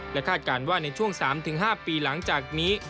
และคาดการณ์ว่าในช่วง๓๕ปีหลังจากนี้